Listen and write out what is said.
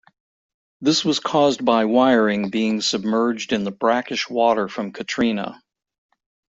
This was caused by wiring being submerged in the brackish water from Katrina.